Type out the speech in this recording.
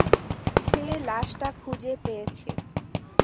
সে লাশটা খুঁজে পেয়েছে।